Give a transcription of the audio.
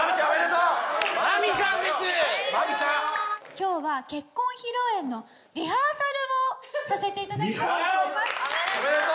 今日は結婚披露宴のリハーサルをさせていただきたいと。